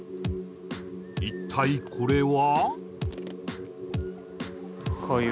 一体これは？